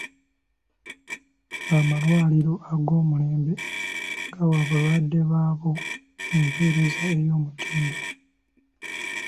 Amalwaliro ag'omulembe gawa abalwadde baago empeereza ey'omutindo.